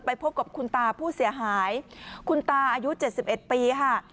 ไปพบกับคุณตาผู้เสียหายคุณตาอายุเจ็ดสิบเอ็ดปีค่ะ